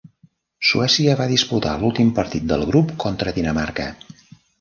Suècia va disputar l'últim partit del grup contra Dinamarca.